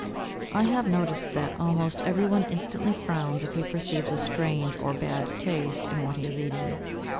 I have noticed that almost everyone instantly frowns if he perceives a strange or bad taste in what he is eating.